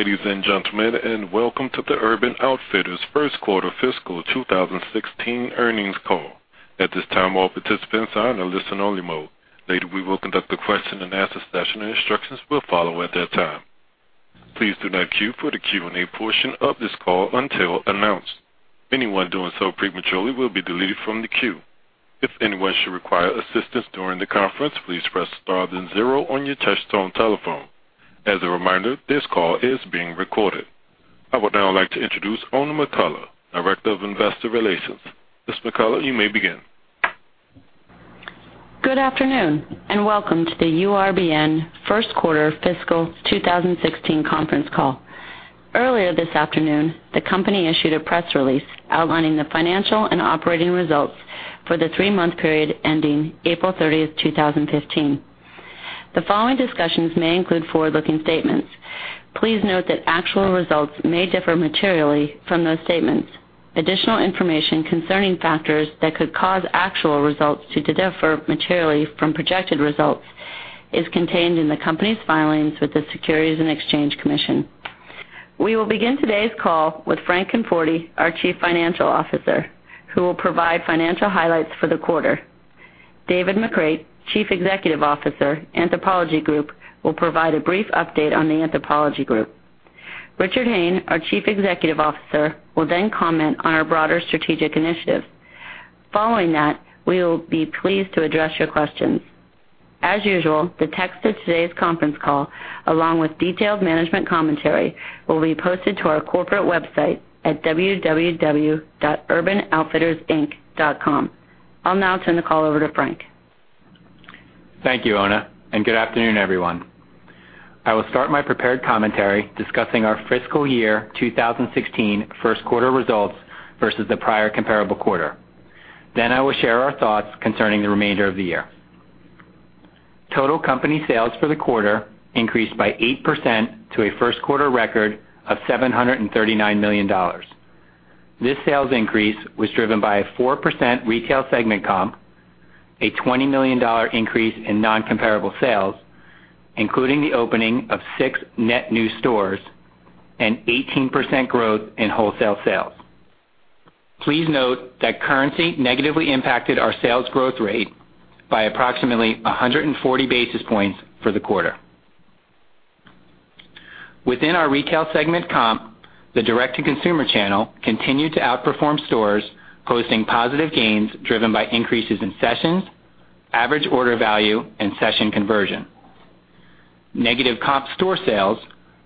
Ladies and gentlemen, welcome to the Urban Outfitters first quarter fiscal 2016 earnings call. At this time, all participants are in a listen only mode. Later, we will conduct a question and answer session, and instructions will follow at that time. Please do not queue for the Q&A portion of this call until announced. Anyone doing so prematurely will be deleted from the queue. If anyone should require assistance during the conference, please press star then zero on your touchtone telephone. As a reminder, this call is being recorded. I would now like to introduce Oona McCullough, Director of Investor Relations. Ms. McCullough, you may begin. Good afternoon, welcome to the URBN first quarter fiscal 2016 conference call. Earlier this afternoon, the company issued a press release outlining the financial and operating results for the three-month period ending April 30th, 2015. The following discussions may include forward-looking statements. Please note that actual results may differ materially from those statements. Additional information concerning factors that could cause actual results to differ materially from projected results is contained in the company's filings with the Securities and Exchange Commission. We will begin today's call with Frank Conforti, our Chief Financial Officer, who will provide financial highlights for the quarter. David McCreight, Chief Executive Officer, Anthropologie Group, will provide a brief update on the Anthropologie Group. Richard Hayne, our Chief Executive Officer, will comment on our broader strategic initiatives. Following that, we will be pleased to address your questions. As usual, the text of today's conference call, along with detailed management commentary, will be posted to our corporate website at www.urbanoutfittersinc.com. I'll now turn the call over to Frank. Thank you, Oona, good afternoon, everyone. I will start my prepared commentary discussing our fiscal year 2016 first quarter results versus the prior comparable quarter. I will share our thoughts concerning the remainder of the year. Total company sales for the quarter increased by 8% to a first quarter record of $739 million. This sales increase was driven by a 4% retail segment comp, a $20 million increase in non-comparable sales, including the opening of six net new stores, and 18% growth in wholesale sales. Please note that currency negatively impacted our sales growth rate by approximately 140 basis points for the quarter. Within our retail segment comp, the direct-to-consumer channel continued to outperform stores, posting positive gains driven by increases in sessions, average order value, and session conversion. Negative comp store sales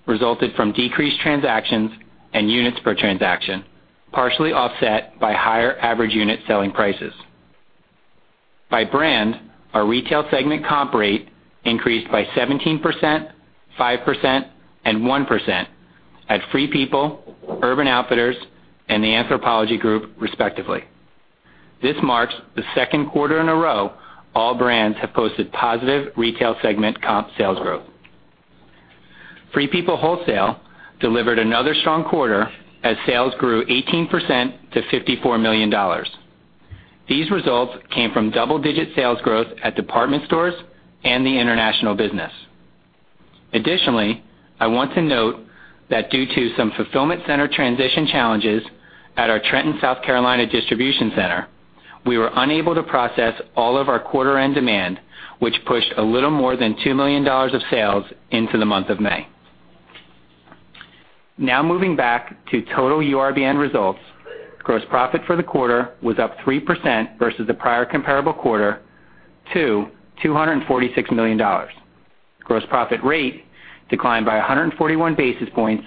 resulted from decreased transactions and units per transaction, partially offset by higher average unit selling prices. By brand, our retail segment comp rate increased by 17%, 5%, and 1% at Free People, Urban Outfitters, and the Anthropologie Group, respectively. This marks the second quarter in a row all brands have posted positive retail segment comp sales growth. Free People wholesale delivered another strong quarter as sales grew 18% to $54 million. These results came from double-digit sales growth at department stores and the international business. Additionally, I want to note that due to some fulfillment center transition challenges at our Trenton, South Carolina distribution center, we were unable to process all of our quarter end demand, which pushed a little more than $2 million of sales into the month of May. Moving back to total URBN results. Gross profit for the quarter was up 3% versus the prior comparable quarter to $246 million. Gross profit rate declined by 141 basis points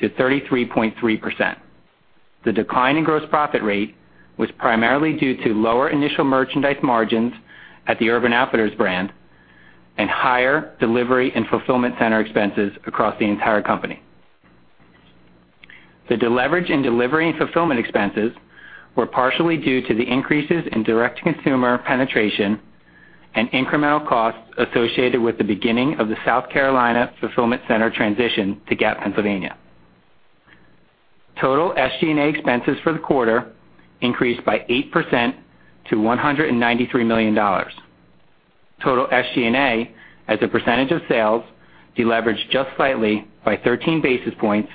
to 33.3%. The decline in gross profit rate was primarily due to lower initial merchandise margins at the Urban Outfitters brand and higher delivery and fulfillment center expenses across the entire company. The deleverage in delivery and fulfillment expenses were partially due to the increases in direct-to-consumer penetration and incremental costs associated with the beginning of the South Carolina fulfillment center transition to Gap, Pennsylvania. Total SG&A expenses for the quarter increased by 8% to $193 million. Total SG&A, as a percentage of sales, deleveraged just slightly by 13 basis points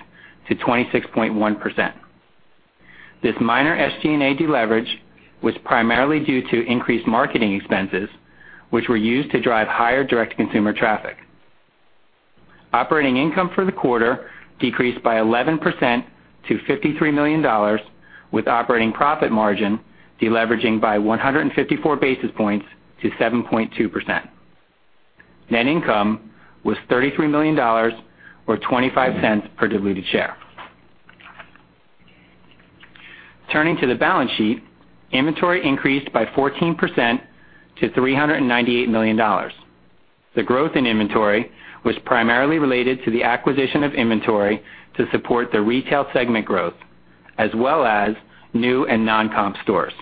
to 26.1%. This minor SG&A deleverage was primarily due to increased marketing expenses, which were used to drive higher direct-to-consumer traffic. Operating income for the quarter decreased by 11% to $53 million, with operating profit margin deleveraging by 154 basis points to 7.2%. Net income was $33 million, or $0.25 per diluted share. Turning to the balance sheet, inventory increased by 14% to $398 million. The growth in inventory was primarily related to the acquisition of inventory to support the retail segment growth, as well as new and non-comp stores.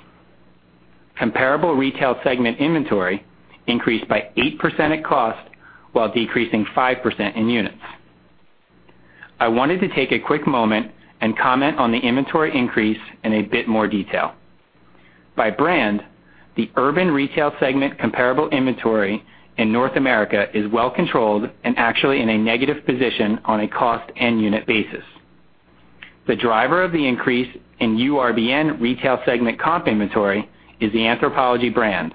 Comparable retail segment inventory increased by 8% at cost, while decreasing 5% in units. I wanted to take a quick moment and comment on the inventory increase in a bit more detail. By brand, the Urban retail segment comparable inventory in North America is well controlled and actually in a negative position on a cost and unit basis. The driver of the increase in URBN retail segment comp inventory is the Anthropologie brand,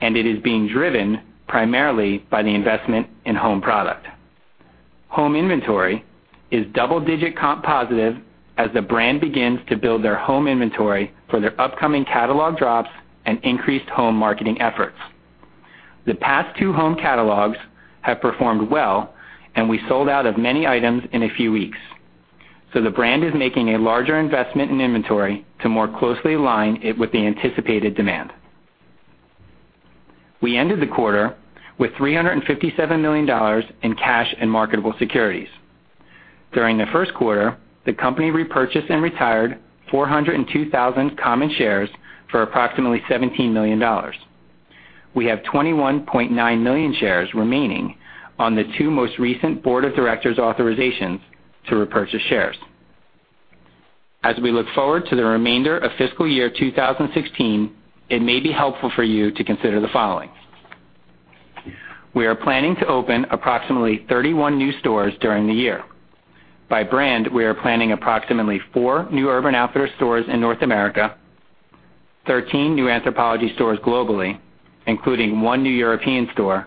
and it is being driven primarily by the investment in home product. Home inventory is double-digit comp positive as the brand begins to build their home inventory for their upcoming catalog drops and increased home marketing efforts. The past two home catalogs have performed well, and we sold out of many items in a few weeks. The brand is making a larger investment in inventory to more closely align it with the anticipated demand. We ended the quarter with $357 million in cash and marketable securities. During the first quarter, the company repurchased and retired 402,000 common shares for approximately $17 million. We have 21.9 million shares remaining on the two most recent board of directors' authorizations to repurchase shares. As we look forward to the remainder of fiscal year 2016, it may be helpful for you to consider the following. We are planning to open approximately 31 new stores during the year. By brand, we are planning approximately four new Urban Outfitters stores in North America, 13 new Anthropologie stores globally, including one new European store,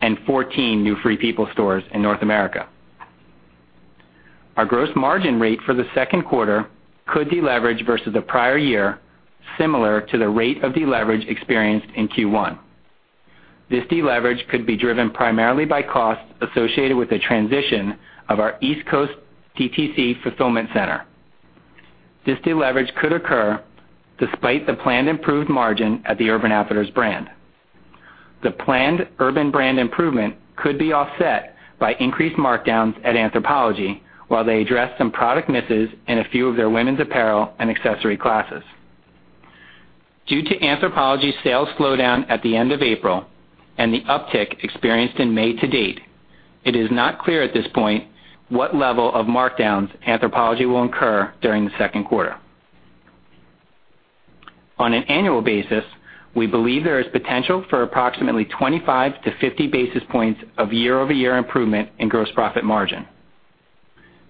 and 14 new Free People stores in North America. Our gross margin rate for the second quarter could deleverage versus the prior year, similar to the rate of deleverage experienced in Q1. This deleverage could be driven primarily by costs associated with the transition of our East Coast DTC fulfillment center. This deleverage could occur despite the planned improved margin at the Urban Outfitters brand. The planned Urban brand improvement could be offset by increased markdowns at Anthropologie while they address some product misses in a few of their women's apparel and accessory classes. Due to Anthropologie's sales slowdown at the end of April and the uptick experienced in May to date, it is not clear at this point what level of markdowns Anthropologie will incur during the second quarter. On an annual basis, we believe there is potential for approximately 25-50 basis points of year-over-year improvement in gross profit margin.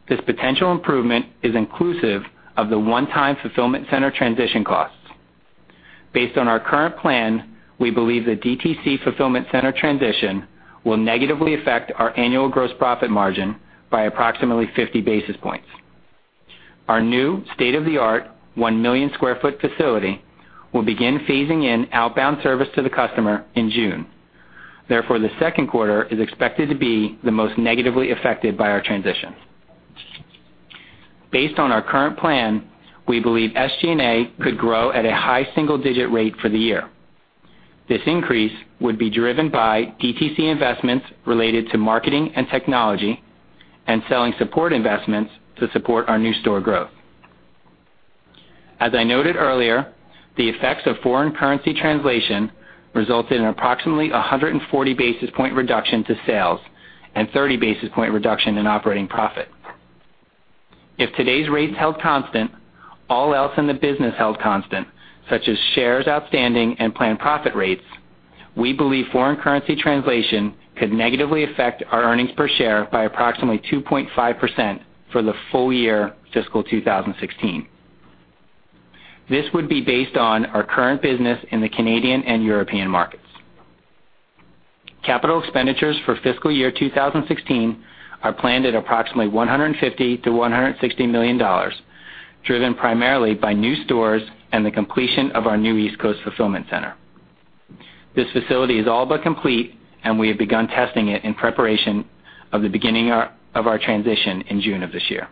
This potential improvement is inclusive of the one-time fulfillment center transition costs. Based on our current plan, we believe the DTC fulfillment center transition will negatively affect our annual gross profit margin by approximately 50 basis points. Our new state-of-the-art 1 million sq ft facility will begin phasing in outbound service to the customer in June. The second quarter is expected to be the most negatively affected by our transition. Based on our current plan, we believe SG&A could grow at a high single-digit rate for the year. This increase would be driven by DTC investments related to marketing and technology, and selling support investments to support our new store growth. As I noted earlier, the effects of foreign currency translation resulted in approximately 140 basis point reduction to sales and 30 basis point reduction in operating profit. If today's rates held constant, all else in the business held constant, such as shares outstanding and planned profit rates, we believe foreign currency translation could negatively affect our earnings per share by approximately 2.5% for the full year fiscal 2016. This would be based on our current business in the Canadian and European markets. Capital expenditures for fiscal year 2016 are planned at approximately $150 million-$160 million, driven primarily by new stores and the completion of our new East Coast fulfillment center. This facility is all but complete, and we have begun testing it in preparation of the beginning of our transition in June of this year.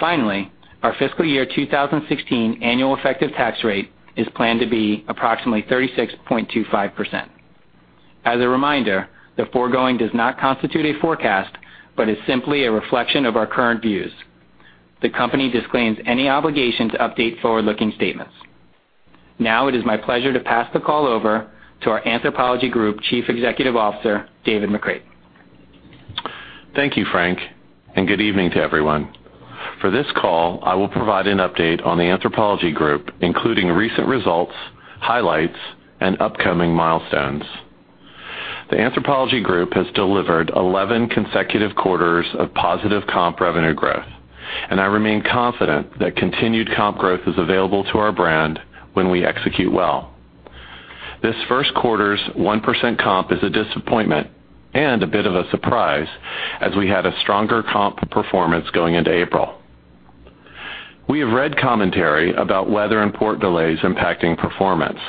Finally, our fiscal year 2016 annual effective tax rate is planned to be approximately 36.25%. As a reminder, the foregoing does not constitute a forecast, but is simply a reflection of our current views. The company disclaims any obligation to update forward-looking statements. Now it is my pleasure to pass the call over to our Anthropologie Group Chief Executive Officer, David McCreight. Thank you, Frank, and good evening to everyone. For this call, I will provide an update on the Anthropologie Group, including recent results, highlights, and upcoming milestones. The Anthropologie Group has delivered 11 consecutive quarters of positive comp revenue growth, and I remain confident that continued comp growth is available to our brand when we execute well. This first quarter's 1% comp is a disappointment and a bit of a surprise as we had a stronger comp performance going into April. We have read commentary about weather and port delays impacting performance,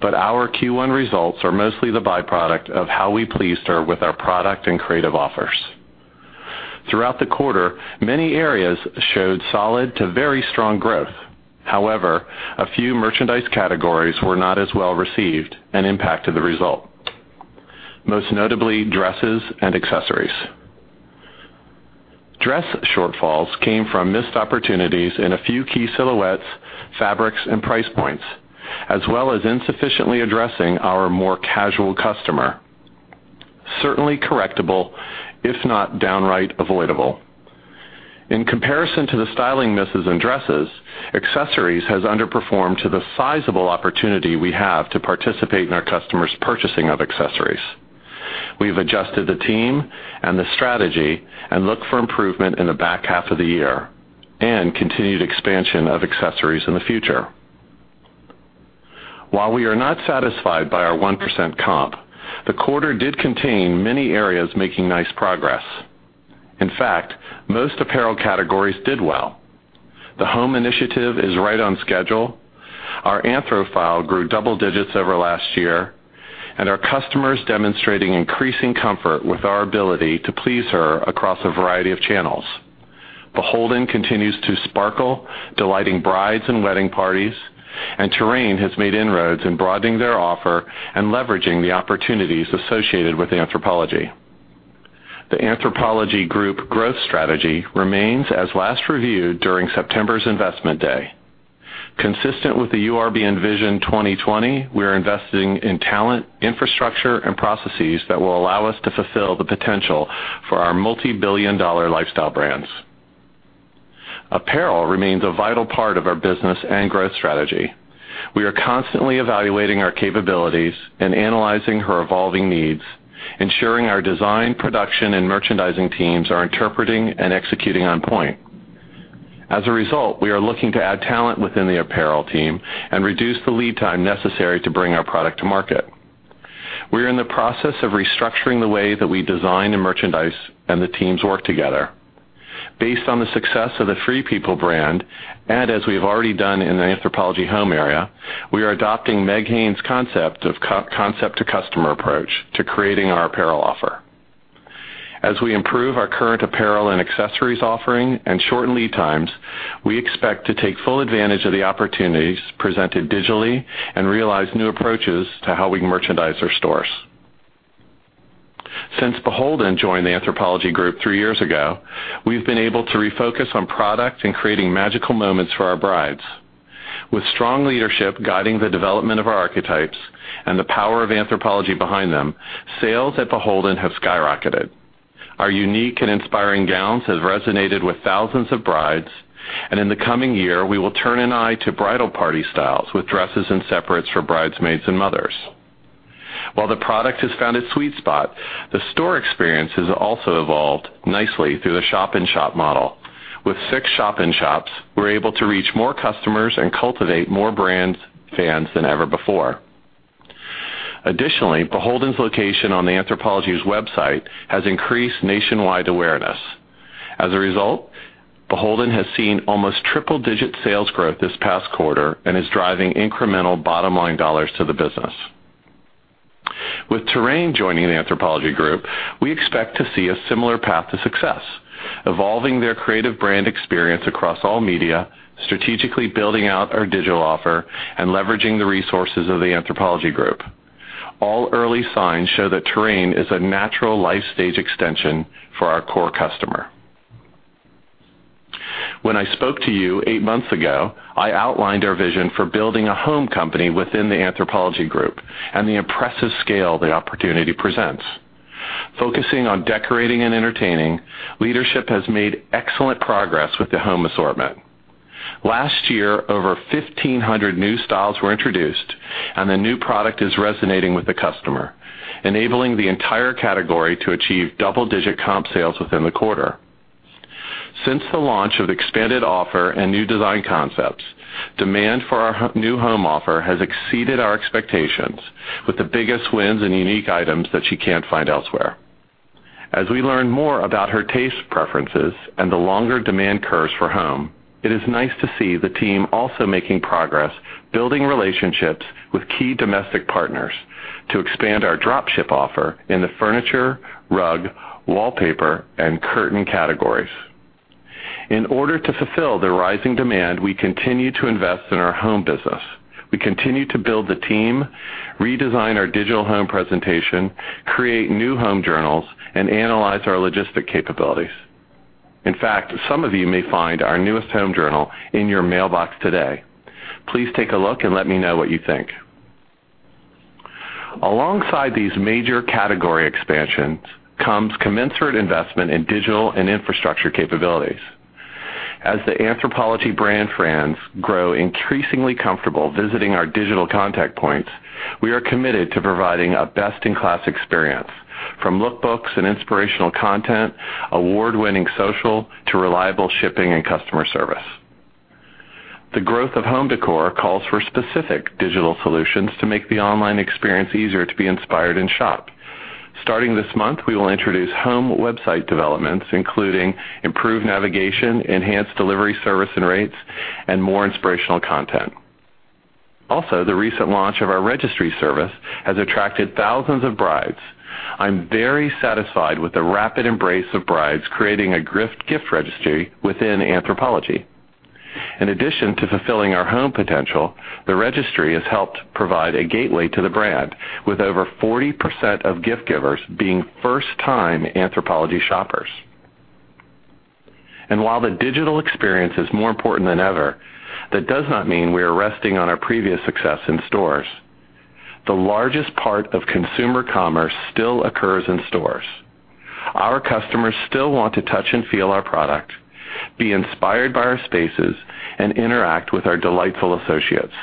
but our Q1 results are mostly the byproduct of how we pleased her with our product and creative offers. Throughout the quarter, many areas showed solid to very strong growth. However, a few merchandise categories were not as well received and impacted the result, most notably dresses and accessories. Dress shortfalls came from missed opportunities in a few key silhouettes, fabrics, and price points, as well as insufficiently addressing our more casual customer. Certainly correctable, if not downright avoidable. In comparison to the styling misses in dresses, accessories has underperformed to the sizable opportunity we have to participate in our customers' purchasing of accessories. We've adjusted the team and the strategy and look for improvement in the back half of the year, and continued expansion of accessories in the future. While we are not satisfied by our 1% comp, the quarter did contain many areas making nice progress. In fact, most apparel categories did well. The home initiative is right on schedule. Our AnthroPerks grew double digits over last year, and our customer's demonstrating increasing comfort with our ability to please her across a variety of channels. BHLDN continues to sparkle, delighting brides and wedding parties, and Terrain has made inroads in broadening their offer and leveraging the opportunities associated with Anthropologie. The Anthropologie Group growth strategy remains as last reviewed during September's investment day. Consistent with the URBN Vision 2020, we're investing in talent, infrastructure, and processes that will allow us to fulfill the potential for our multi-billion dollar lifestyle brands. Apparel remains a vital part of our business and growth strategy. We are constantly evaluating our capabilities and analyzing her evolving needs, ensuring our design, production, and merchandising teams are interpreting and executing on point. As a result, we are looking to add talent within the apparel team and reduce the lead time necessary to bring our product to market. We're in the process of restructuring the way that we design and merchandise and the teams work together. Based on the success of the Free People brand, and as we have already done in the Anthropologie Home area, we are adopting Meg Hayne' concept of concept to customer approach to creating our apparel offer. As we improve our current apparel and accessories offering and shorten lead times, we expect to take full advantage of the opportunities presented digitally and realize new approaches to how we merchandise our stores. Since BHLDN joined the Anthropologie Group three years ago, we've been able to refocus on product and creating magical moments for our brides. With strong leadership guiding the development of our archetypes and the power of Anthropologie behind them, sales at BHLDN have skyrocketed. Our unique and inspiring gowns have resonated with thousands of brides, and in the coming year, we will turn an eye to bridal party styles with dresses and separates for bridesmaids and mothers. While the product has found its sweet spot, the store experience has also evolved nicely through the shop in shop model. With six shop in shops, we are able to reach more customers and cultivate more brand fans than ever before. Additionally, BHLDN's location on the Anthropologie's website has increased nationwide awareness. As a result, BHLDN has seen almost triple-digit sales growth this past quarter and is driving incremental bottom-line dollars to the business. With Terrain joining the Anthropologie Group, we expect to see a similar path to success, evolving their creative brand experience across all media, strategically building out our digital offer, and leveraging the resources of the Anthropologie Group. All early signs show that Terrain is a natural life stage extension for our core customer. When I spoke to you eight months ago, I outlined our vision for building a home company within the Anthropologie Group and the impressive scale the opportunity presents. Focusing on decorating and entertaining, leadership has made excellent progress with the home assortment. Last year, over 1,500 new styles were introduced, and the new product is resonating with the customer, enabling the entire category to achieve double-digit comp sales within the quarter. Since the launch of the expanded offer and new design concepts, demand for our new home offer has exceeded our expectations with the biggest wins in unique items that she can't find elsewhere. As we learn more about her taste preferences and the longer demand curves for home, it is nice to see the team also making progress building relationships with key domestic partners to expand our drop ship offer in the furniture, rug, wallpaper, and curtain categories. In order to fulfill the rising demand, we continue to invest in our home business. We continue to build the team, redesign our digital home presentation, create new home journals, and analyze our logistic capabilities. In fact, some of you may find our newest home journal in your mailbox today. Please take a look and let me know what you think. Alongside these major category expansions comes commensurate investment in digital and infrastructure capabilities. As the Anthropologie brand fans grow increasingly comfortable visiting our digital contact points, we are committed to providing a best-in-class experience, from look books and inspirational content, award-winning social, to reliable shipping and customer service. The growth of home decor calls for specific digital solutions to make the online experience easier to be inspired and shop. Starting this month, we will introduce home website developments, including improved navigation, enhanced delivery service and rates, and more inspirational content. Also, the recent launch of our registry service has attracted thousands of brides. I'm very satisfied with the rapid embrace of brides creating a gift registry within Anthropologie. In addition to fulfilling our home potential, the registry has helped provide a gateway to the brand with over 40% of gift givers being first-time Anthropologie shoppers. While the digital experience is more important than ever, that does not mean we are resting on our previous success in stores. The largest part of consumer commerce still occurs in stores. Our customers still want to touch and feel our product, be inspired by our spaces, and interact with our delightful associates.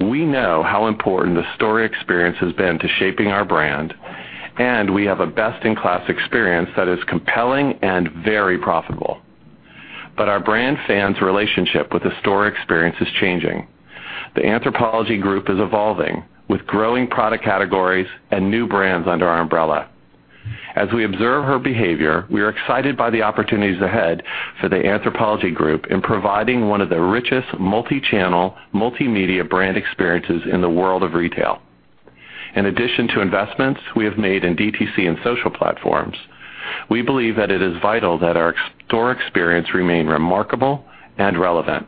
We know how important the store experience has been to shaping our brand. We have a best-in-class experience that is compelling and very profitable. Our brand fans' relationship with the store experience is changing. The Anthropologie Group is evolving with growing product categories and new brands under our umbrella. As we observe her behavior, we are excited by the opportunities ahead for the Anthropologie Group in providing one of the richest multi-channel, multimedia brand experiences in the world of retail. In addition to investments we have made in DTC and social platforms, we believe that it is vital that our store experience remain remarkable and relevant.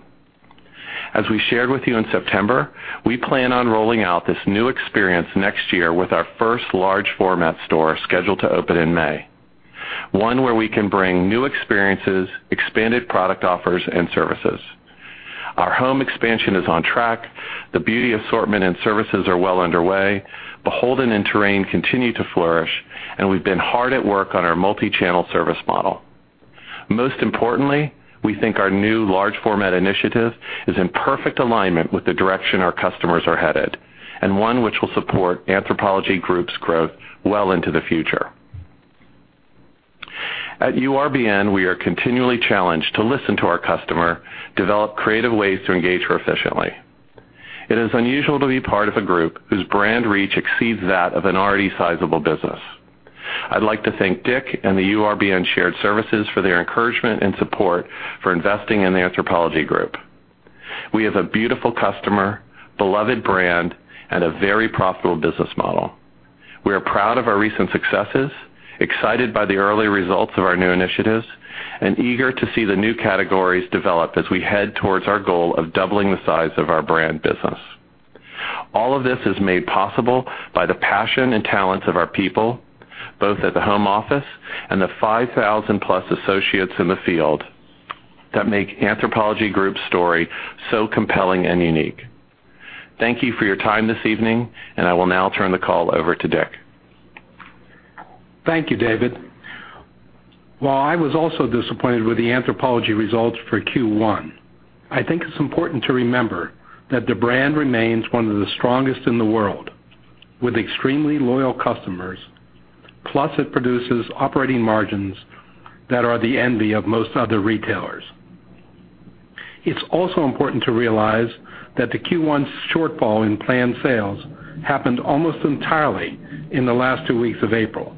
As we shared with you in September, we plan on rolling out this new experience next year with our first large format store scheduled to open in May. One where we can bring new experiences, expanded product offers, and services. Our home expansion is on track. The beauty assortment and services are well underway. BHLDN and Terrain continue to flourish. We've been hard at work on our multi-channel service model. Most importantly, we think our new large format initiative is in perfect alignment with the direction our customers are headed. One which will support Anthropologie Group's growth well into the future. At URBN, we are continually challenged to listen to our customer, develop creative ways to engage her efficiently. It is unusual to be part of a group whose brand reach exceeds that of an already sizable business. I'd like to thank Dick and the URBN shared services for their encouragement and support for investing in the Anthropologie Group. We have a beautiful customer, beloved brand, and a very profitable business model. We are proud of our recent successes, excited by the early results of our new initiatives, eager to see the new categories develop as we head towards our goal of doubling the size of our brand business. All of this is made possible by the passion and talents of our people, both at the home office and the 5,000-plus associates in the field, that make Anthropologie Group's story so compelling and unique. Thank you for your time this evening. I will now turn the call over to Dick. Thank you, David. While I was also disappointed with the Anthropologie results for Q1, I think it's important to remember that the brand remains one of the strongest in the world, with extremely loyal customers. Plus, it produces operating margins that are the envy of most other retailers. It's also important to realize that the Q1 shortfall in planned sales happened almost entirely in the last two weeks of April.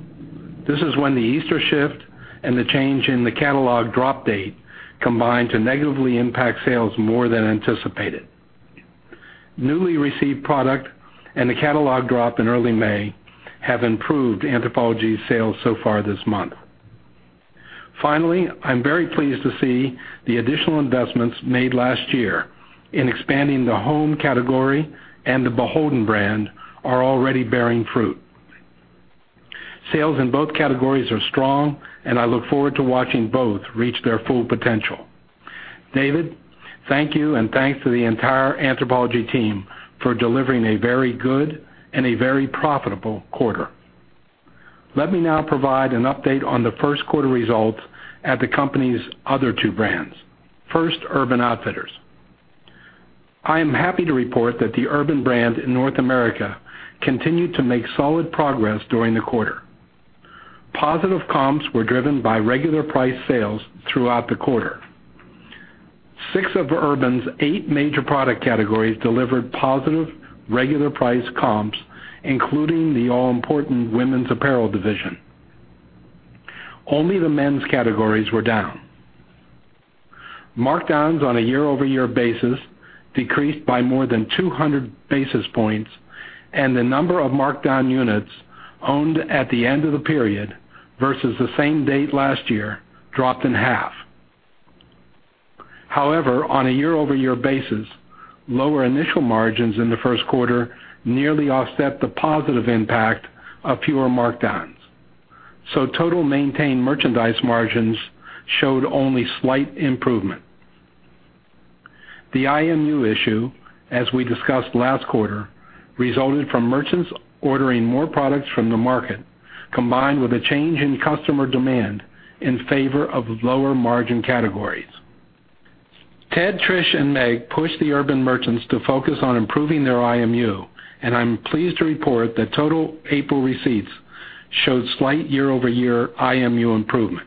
This is when the Easter shift and the change in the catalog drop date combined to negatively impact sales more than anticipated. Newly received product and the catalog drop in early May have improved Anthropologie sales so far this month. Finally, I'm very pleased to see the additional investments made last year in expanding the home category and the BHLDN brand are already bearing fruit. Sales in both categories are strong. I look forward to watching both reach their full potential. David, thank you, and thanks to the entire Anthropologie team for delivering a very good and a very profitable quarter. Let me now provide an update on the first quarter results at the company's other two brands. First, Urban Outfitters. I am happy to report that the Urban brand in North America continued to make solid progress during the quarter. Positive comps were driven by regular price sales throughout the quarter. Six of Urban's eight major product categories delivered positive regular price comps, including the all-important women's apparel division. Only the men's categories were down. Markdowns on a year-over-year basis decreased by more than 200 basis points, and the number of markdown units owned at the end of the period versus the same date last year dropped in half. However, on a year-over-year basis, lower initial margins in the first quarter nearly offset the positive impact of fewer markdowns. Total maintained merchandise margins showed only slight improvement. The IMU issue, as we discussed last quarter, resulted from merchants ordering more products from the market, combined with a change in customer demand in favor of lower margin categories. Ted, Trish, and Meg pushed the Urban merchants to focus on improving their IMU. I'm pleased to report that total April receipts showed slight year-over-year IMU improvement.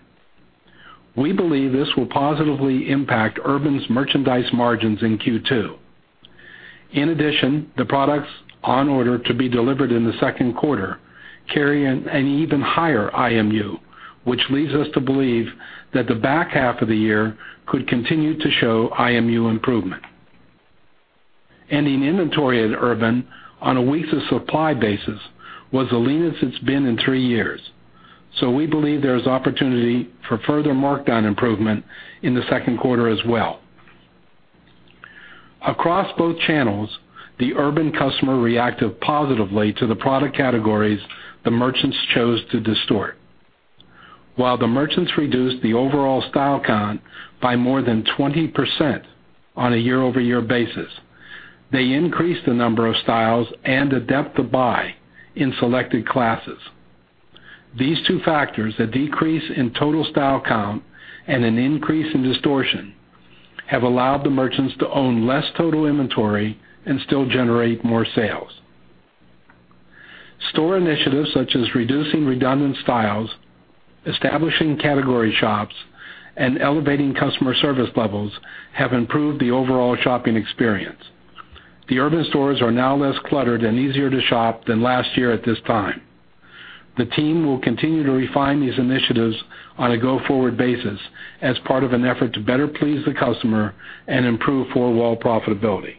We believe this will positively impact Urban's merchandise margins in Q2. In addition, the products on order to be delivered in the second quarter carry an even higher IMU, which leads us to believe that the back half of the year could continue to show IMU improvement. Ending inventory at Urban on a weeks of supply basis was the leanest it's been in three years. We believe there is opportunity for further markdown improvement in the second quarter as well. Across both channels, the Urban customer reacted positively to the product categories the merchants chose to distort. While the merchants reduced the overall style count by more than 20% on a year-over-year basis, they increased the number of styles and the depth of buy in selected classes. These two factors, a decrease in total style count and an increase in distortion, have allowed the merchants to own less total inventory and still generate more sales. Store initiatives such as reducing redundant styles, establishing category shops, and elevating customer service levels have improved the overall shopping experience. The Urban stores are now less cluttered and easier to shop than last year at this time. The team will continue to refine these initiatives on a go-forward basis as part of an effort to better please the customer and improve four-wall profitability.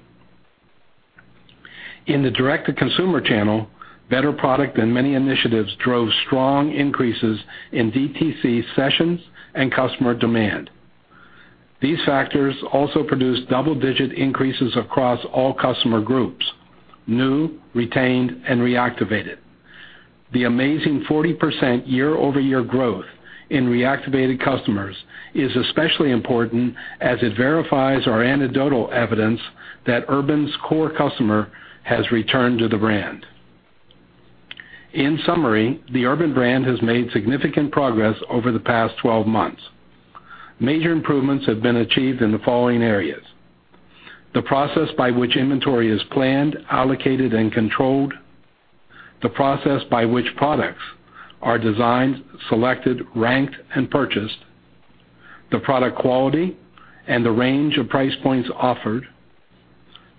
In the direct-to-consumer channel, better product and many initiatives drove strong increases in DTC sessions and customer demand. These factors also produced double-digit increases across all customer groups: new, retained, and reactivated. The amazing 40% year-over-year growth in reactivated customers is especially important as it verifies our anecdotal evidence that Urban's core customer has returned to the brand. In summary, the Urban brand has made significant progress over the past 12 months. Major improvements have been achieved in the following areas: the process by which inventory is planned, allocated, and controlled; the process by which products are designed, selected, ranked, and purchased; the product quality and the range of price points offered;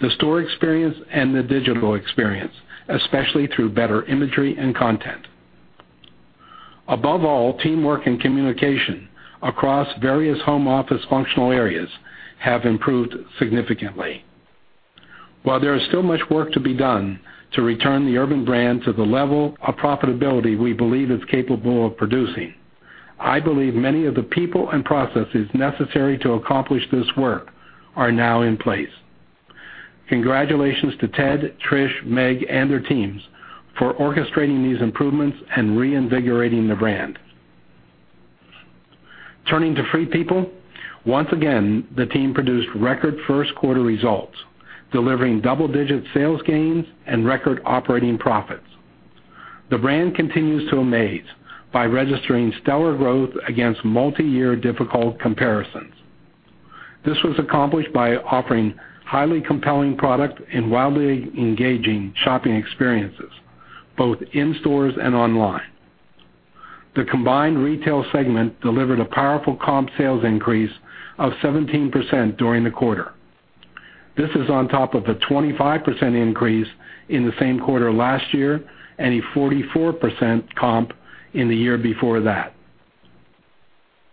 the store experience; and the digital experience, especially through better imagery and content. Above all, teamwork and communication across various home office functional areas have improved significantly. While there is still much work to be done to return the Urban brand to the level of profitability we believe it's capable of producing, I believe many of the people and processes necessary to accomplish this work are now in place. Congratulations to Ted, Trish, Meg, and their teams for orchestrating these improvements and reinvigorating the brand. Turning to Free People, once again, the team produced record first-quarter results, delivering double-digit sales gains and record operating profits. The brand continues to amaze by registering stellar growth against multiyear difficult comparisons. This was accomplished by offering highly compelling product and wildly engaging shopping experiences both in stores and online. The combined retail segment delivered a powerful comp sales increase of 17% during the quarter. This is on top of the 25% increase in the same quarter last year and a 44% comp in the year before that.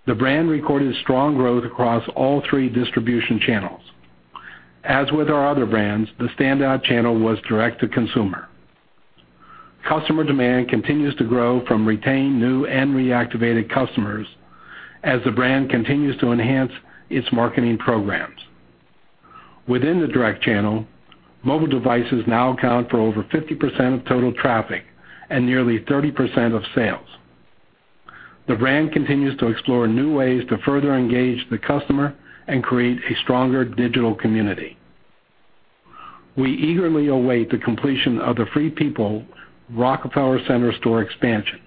The brand recorded strong growth across all three distribution channels. As with our other brands, the standout channel was direct to consumer. Customer demand continues to grow from retained, new, and reactivated customers as the brand continues to enhance its marketing programs. Within the direct channel, mobile devices now account for over 50% of total traffic and nearly 30% of sales. The brand continues to explore new ways to further engage the customer and create a stronger digital community. We eagerly await the completion of the Free People Rockefeller Center store expansion.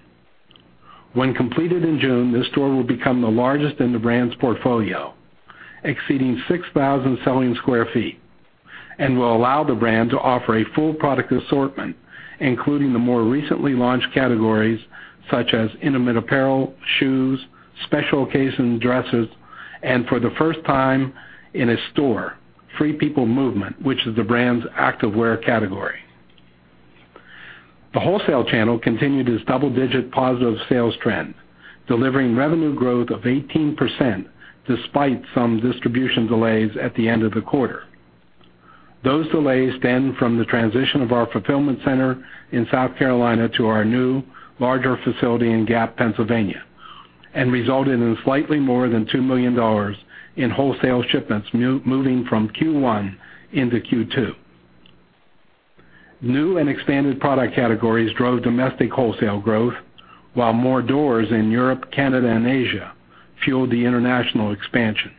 When completed in June, this store will become the largest in the brand's portfolio, exceeding 6,000 selling square feet, and will allow the brand to offer a full product assortment, including the more recently launched categories such as intimate apparel, shoes, special occasion dresses, and for the first time in a store, Free People Movement, which is the brand's activewear category. The wholesale channel continued its double-digit positive sales trend, delivering revenue growth of 18%, despite some distribution delays at the end of the quarter. Those delays stemmed from the transition of our fulfillment center in Trenton, South Carolina to our new, larger facility in Gap, Pennsylvania, and resulted in slightly more than $2 million in wholesale shipments moving from Q1 into Q2. New and expanded product categories drove domestic wholesale growth, while more doors in Europe, Canada, and Asia fueled the international expansion.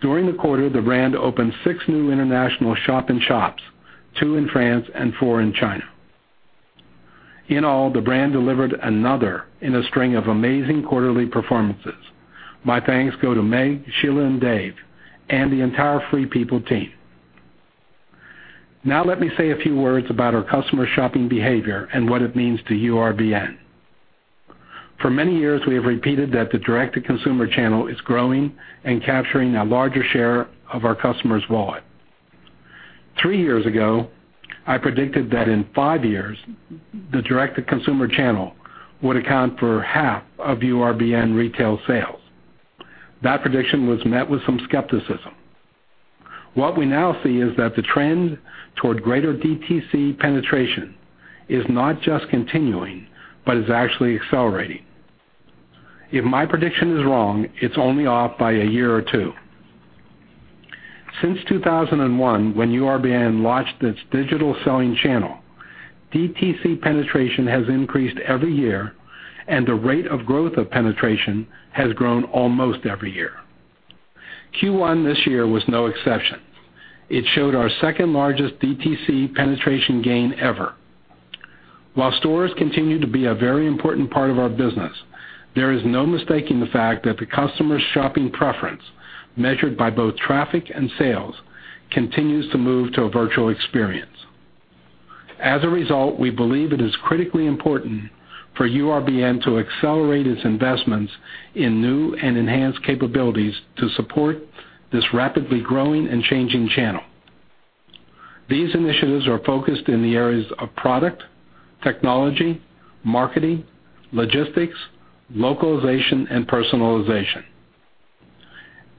During the quarter, the brand opened six new international shop-in-shops, two in France and four in China. In all, the brand delivered another in a string of amazing quarterly performances. My thanks go to Meg, Sheila, and Dave, and the entire Free People team. Let me say a few words about our customer shopping behavior and what it means to URBN. For many years, we have repeated that the direct-to-consumer channel is growing and capturing a larger share of our customer's wallet. Three years ago, I predicted that in five years, the direct-to-consumer channel would account for half of URBN retail sales. That prediction was met with some skepticism. What we now see is that the trend toward greater DTC penetration is not just continuing, but is actually accelerating. If my prediction is wrong, it's only off by a year or two. Since 2001, when URBN launched its digital selling channel, DTC penetration has increased every year, and the rate of growth of penetration has grown almost every year. Q1 this year was no exception. It showed our second-largest DTC penetration gain ever. While stores continue to be a very important part of our business, there is no mistaking the fact that the customer's shopping preference, measured by both traffic and sales, continues to move to a virtual experience. As a result, we believe it is critically important for URBN to accelerate its investments in new and enhanced capabilities to support this rapidly growing and changing channel. These initiatives are focused in the areas of product, technology, marketing, logistics, localization, and personalization.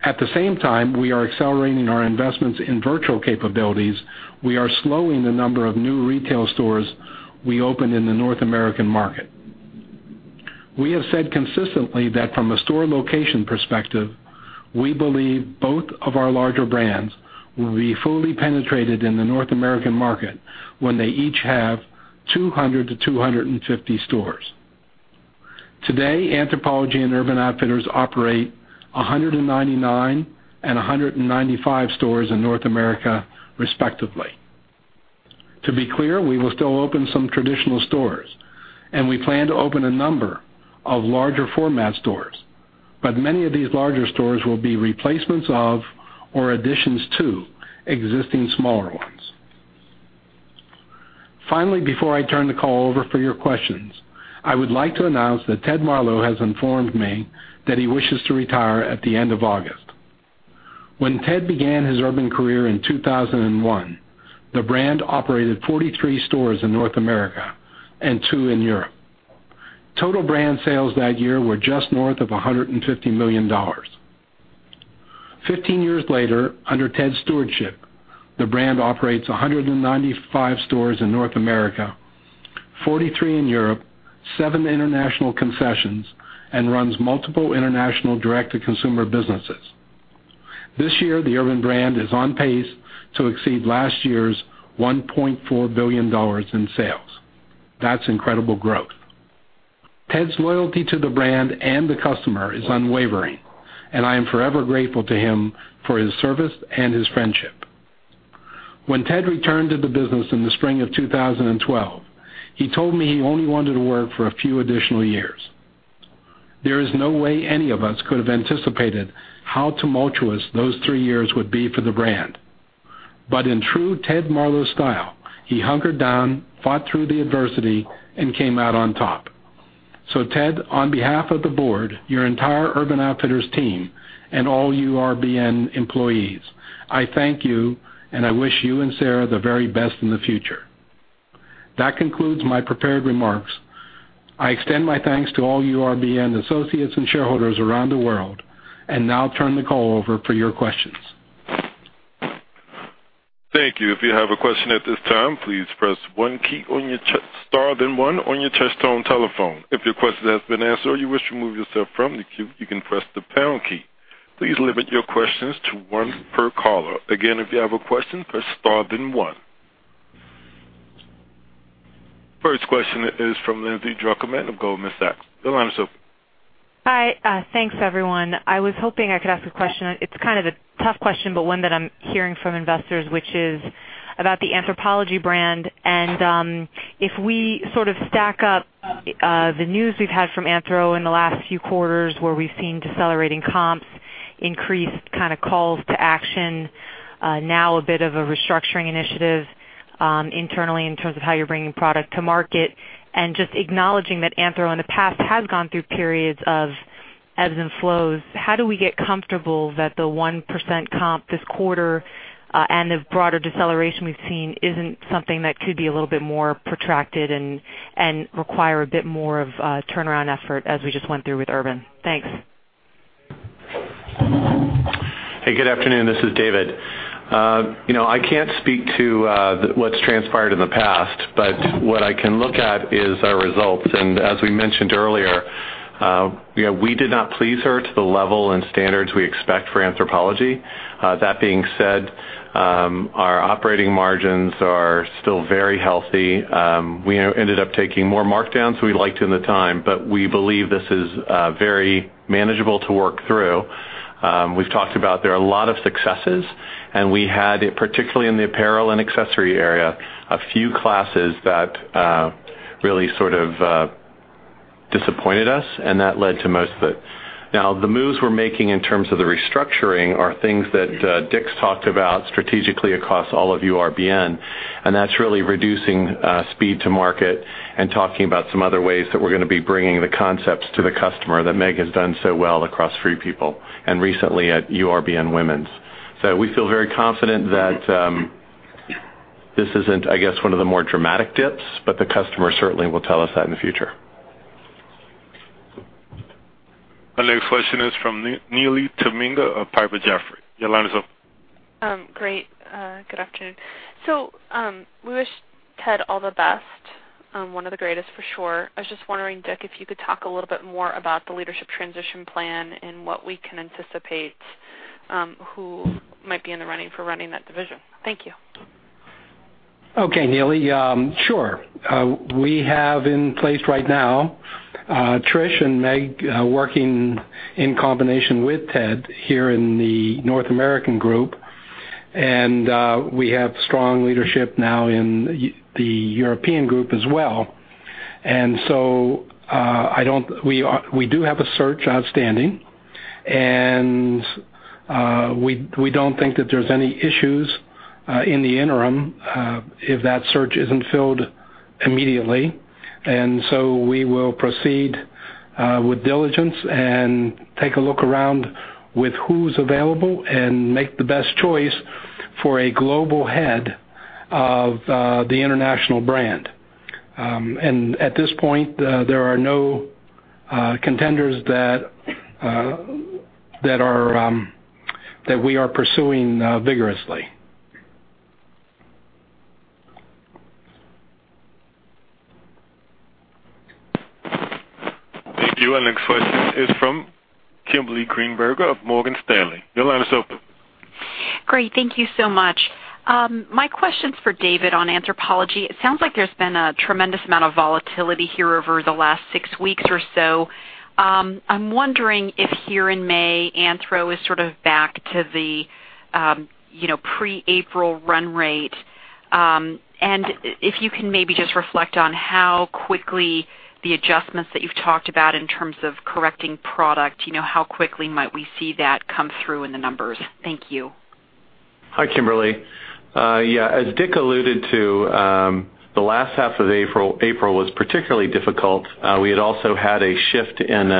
At the same time we are accelerating our investments in virtual capabilities, we are slowing the number of new retail stores we open in the North American market. We have said consistently that from a store location perspective, we believe both of our larger brands will be fully penetrated in the North American market when they each have 200-250 stores. Today, Anthropologie and Urban Outfitters operate 199 and 195 stores in North America, respectively. To be clear, we will still open some traditional stores, and we plan to open a number of larger format stores. Many of these larger stores will be replacements of or additions to existing smaller ones. Finally, before I turn the call over for your questions, I would like to announce that Ted Marlow has informed me that he wishes to retire at the end of August. When Ted began his Urban career in 2001, the brand operated 43 stores in North America and two in Europe. Total brand sales that year were just north of $150 million. 15 years later, under Ted's stewardship, the brand operates 195 stores in North America, 43 in Europe, seven international concessions, and runs multiple international direct-to-consumer businesses. This year, the Urban brand is on pace to exceed last year's $1.4 billion in sales. That's incredible growth. Ted's loyalty to the brand and the customer is unwavering, and I am forever grateful to him for his service and his friendship. When Ted returned to the business in the spring of 2012, he told me he only wanted to work for a few additional years. There is no way any of us could have anticipated how tumultuous those three years would be for the brand. In true Ted Marlow style, he hunkered down, fought through the adversity, and came out on top. Ted, on behalf of the board, your entire Urban Outfitters team, and all URBN employees, I thank you, and I wish you and Sarah the very best in the future. That concludes my prepared remarks. I extend my thanks to all URBN associates and shareholders around the world, now turn the call over for your questions. Thank you. If you have a question at this time, please press star then one on your touchtone telephone. If your question has been answered or you wish to remove yourself from the queue, you can press the pound key. Please limit your questions to once per caller. Again, if you have a question, press star then one. First question is from Lindsay Druckerman of Goldman Sachs. The line is open. Hi. Thanks, everyone. I was hoping I could ask a question. It's kind of a tough question, but one that I'm hearing from investors, which is about the Anthropologie brand. If we sort of stack up the news we've had from Anthropologie in the last few quarters, where we've seen decelerating comps, increased kind of calls to action, now a bit of a restructuring initiative internally in terms of how you're bringing product to market, and just acknowledging that Anthropologie in the past has gone through periods of ebbs and flows, how do we get comfortable that the 1% comp this quarter and the broader deceleration we've seen isn't something that could be a little bit more protracted and require a bit more of a turnaround effort as we just went through with Urban? Thanks. Hey, good afternoon. This is David. I can't speak to what's transpired in the past, but what I can look at is our results. As we mentioned earlier, we did not please her to the level and standards we expect for Anthropologie. That being said, our operating margins are still very healthy. We ended up taking more markdowns than we liked in the time, but we believe this is very manageable to work through. We've talked about there are a lot of successes, and we had, particularly in the apparel and accessory area, a few classes that really sort of disappointed us, and that led to most of it. The moves we're making in terms of the restructuring are things that Dick's talked about strategically across all of URBN, and that's really reducing speed to market and talking about some other ways that we're going to be bringing the concepts to the customer that Meg has done so well across Free People and recently at URBN Women's. We feel very confident that this isn't, I guess, one of the more dramatic dips, but the customer certainly will tell us that in the future. Our next question is from Neely Tamminga of Piper Jaffray. Your line is open. Great. Good afternoon. We wish Ted all the best. One of the greatest for sure. I was just wondering, Dick, if you could talk a little bit more about the leadership transition plan and what we can anticipate. Who might be in the running for running that division? Thank you. Okay, Neely. Sure. We have in place right now, Trish and Meg working in combination with Ted here in the North American group, and we have strong leadership now in the European group as well. We do have a search outstanding, and we don't think that there's any issues in the interim if that search isn't filled immediately. We will proceed with diligence and take a look around with who's available and make the best choice for a global head of the international brand. At this point, there are no contenders that we are pursuing vigorously. Thank you. Our next question is from Kimberly Greenberger of Morgan Stanley. Your line is open. Great. Thank you so much. My question's for David on Anthropologie. It sounds like there's been a tremendous amount of volatility here over the last 6 weeks or so. I'm wondering if here in May, Anthropologie is sort of back to the pre-April run rate. If you can maybe just reflect on how quickly the adjustments that you've talked about in terms of correcting product, how quickly might we see that come through in the numbers? Thank you. Hi, Kimberly. Yeah. As Dick alluded to, the last half of April was particularly difficult. We had also had a shift in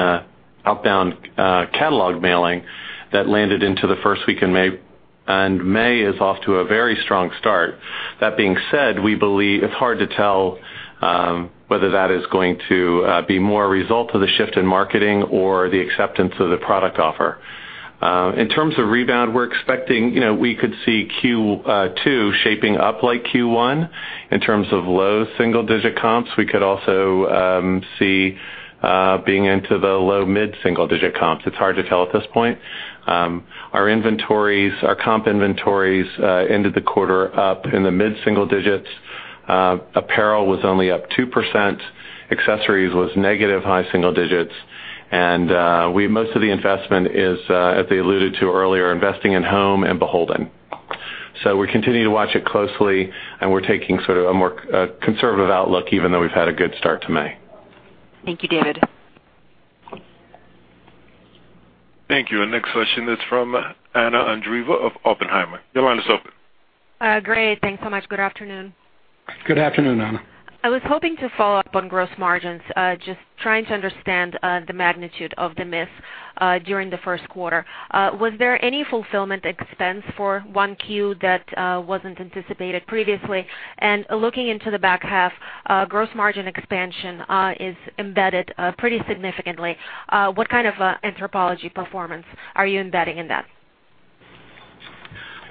outbound catalog mailing that landed into the first week in May. May is off to a very strong start. That being said, it's hard to tell whether that is going to be more a result of the shift in marketing or the acceptance of the product offer. In terms of rebound, we're expecting we could see Q2 shaping up like Q1 in terms of low single-digit comps. We could also see being into the low mid-single-digit comps. It's hard to tell at this point. Our comp inventories ended the quarter up in the mid-single-digits. Apparel was only up 2%, accessories was negative high single-digits. Most of the investment is, as they alluded to earlier, investing in Home and BHLDN. We're continuing to watch it closely, and we're taking sort of a more conservative outlook, even though we've had a good start to May. Thank you, David. Thank you. Our next question is from Anna Andreeva of Oppenheimer. Your line is open. Great. Thanks so much. Good afternoon. Good afternoon, Anna. I was hoping to follow up on gross margins. Just trying to understand the magnitude of the miss during the first quarter. Was there any fulfillment expense for 1Q that wasn't anticipated previously? Looking into the back half, gross margin expansion is embedded pretty significantly. What kind of Anthropologie performance are you embedding in that?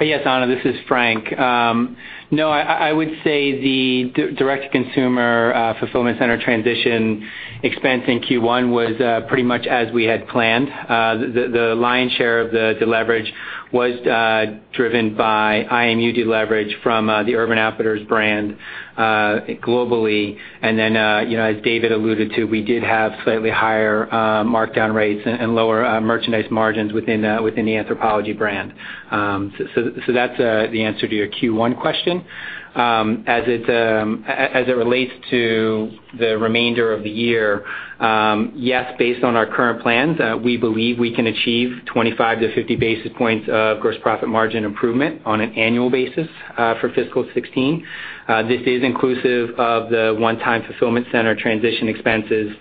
Yes, Anna, this is Frank. I would say the direct-to-consumer fulfillment center transition expense in Q1 was pretty much as we had planned. The lion's share of the deleverage was driven by IMU deleverage from the Urban Outfitters brand globally. As David alluded to, we did have slightly higher markdown rates and lower merchandise margins within the Anthropologie brand. That's the answer to your Q1 question. As it relates to the remainder of the year, yes, based on our current plans, we believe we can achieve 25 to 50 basis points of gross profit margin improvement on an annual basis for fiscal 2016. This is inclusive of the one-time fulfillment center transition expenses.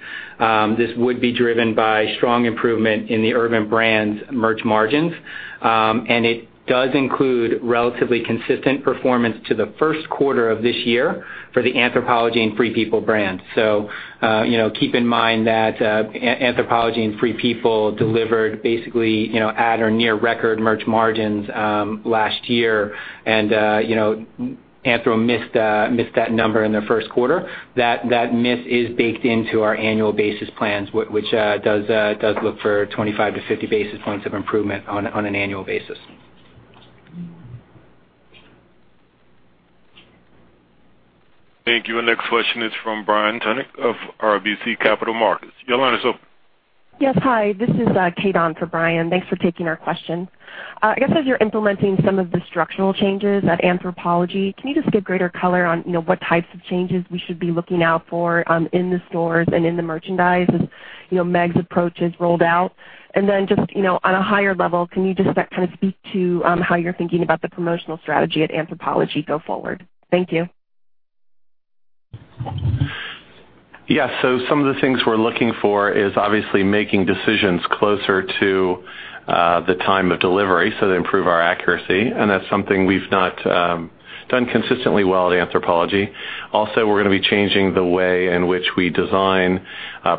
This would be driven by strong improvement in the Urban Brands merch margins. It does include relatively consistent performance to the first quarter of this year for the Anthropologie and Free People brands. Keep in mind that Anthropologie and Free People delivered basically at or near record merch margins last year. Anthropologie missed that number in their first quarter. That miss is baked into our annual basis plans, which does look for 25 to 50 basis points of improvement on an annual basis. Thank you. Our next question is from Brian Tunick of RBC Capital Markets. Your line is open. Yes. Hi. This is Kaydon for Brian. Thanks for taking our question. I guess as you're implementing some of the structural changes at Anthropologie, can you just give greater color on what types of changes we should be looking out for in the stores and in the merchandise as Meg's approach is rolled out? Just on a higher level, can you just kind of speak to how you're thinking about the promotional strategy at Anthropologie go forward? Thank you. Some of the things we're looking for is obviously making decisions closer to the time of delivery, so they improve our accuracy. That's something we've not done consistently well at Anthropologie. We're going to be changing the way in which we design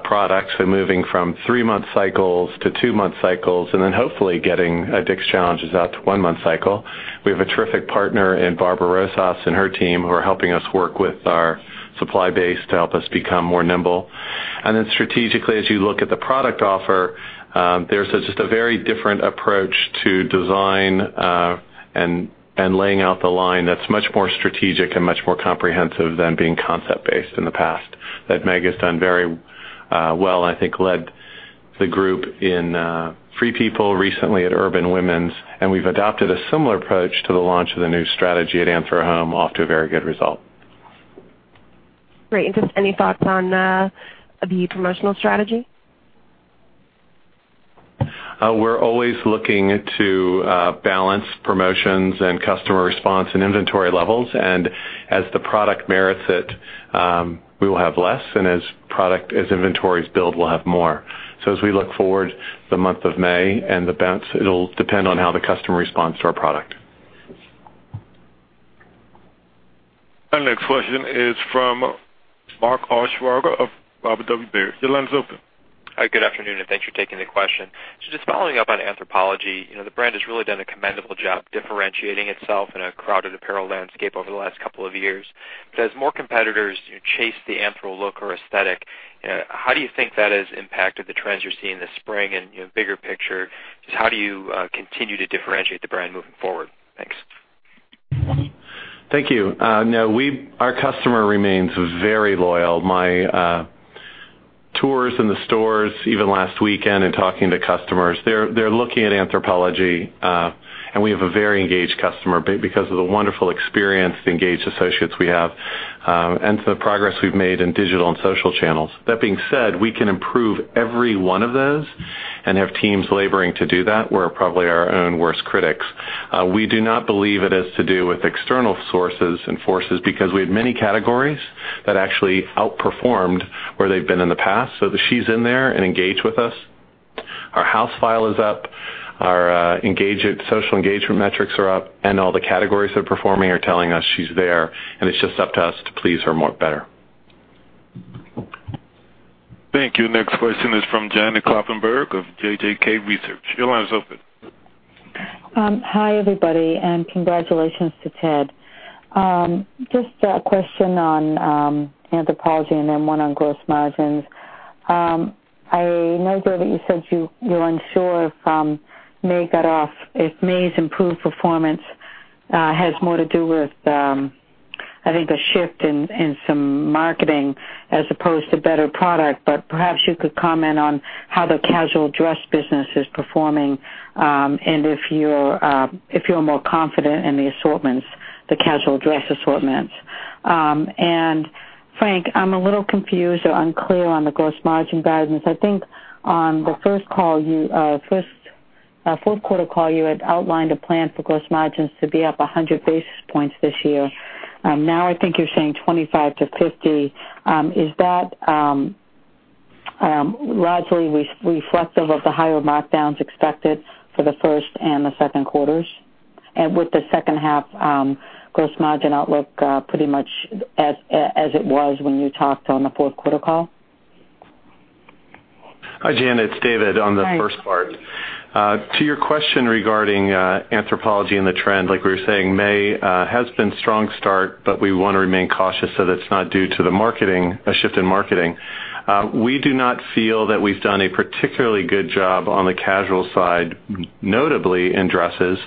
products. We're moving from three-month cycles to two-month cycles, then hopefully getting Dick's challenges out to one-month cycle. We have a terrific partner in Barbara Rosas and her team, who are helping us work with our supply base to help us become more nimble. Strategically, as you look at the product offer, there's just a very different approach to design and laying out the line that's much more strategic and much more comprehensive than being concept based in the past. That Meg has done very well, I think led the group in Free People recently at Urban Women's. We've adopted a similar approach to the launch of the new strategy at AnthroHome, off to a very good result. Great. Just any thoughts on the promotional strategy? We're always looking to balance promotions and customer response and inventory levels. As the product merits it, we will have less. As inventories build, we'll have more. As we look forward the month of May and the bounce, it'll depend on how the customer responds to our product. Our next question is from Mark Altschwager of Robert W. Baird. Your line is open. Hi, good afternoon, and thanks for taking the question. Just following up on Anthropologie. The brand has really done a commendable job differentiating itself in a crowded apparel landscape over the last couple of years. As more competitors chase the Anthropologie look or aesthetic, how do you think that has impacted the trends you're seeing this spring and bigger picture, just how do you continue to differentiate the brand moving forward? Thanks. Thank you. Our customer remains very loyal. My tours in the stores, even last weekend and talking to customers, they're looking at Anthropologie, and we have a very engaged customer because of the wonderful experienced, engaged associates we have, and for the progress we've made in digital and social channels. That being said, we can improve every one of those and have teams laboring to do that. We're probably our own worst critics. We do not believe it has to do with external sources and forces because we had many categories that actually outperformed where they've been in the past. The she's in there and engaged with us. Our house file is up. Our social engagement metrics are up, and all the categories they're performing are telling us she's there, and it's just up to us to please her better. Thank you. Next question is from Janet Kloppenburg of JJK Research. Your line is open. Hi, everybody. Congratulations to Ted. Just a question on Anthropologie and then one on gross margins. I know, David, you said you were unsure if May's improved performance has more to do with, I think, the shift in some marketing as opposed to better product. Perhaps you could comment on how the casual dress business is performing, and if you're more confident in the assortments, the casual dress assortments. Frank, I'm a little confused or unclear on the gross margin guidance. I think on the fourth quarter call, you had outlined a plan for gross margins to be up 100 basis points this year. Now I think you're saying 25 to 50. Is that largely reflective of the higher markdowns expected for the first and the second quarters? With the second half gross margin outlook pretty much as it was when you talked on the fourth quarter call. Hi, Jan, it's David on the first part. To your question regarding Anthropologie and the trend, like we were saying, May has been strong start, but we want to remain cautious that it's not due to a shift in marketing. We do not feel that we've done a particularly good job on the casual side, notably in dresses.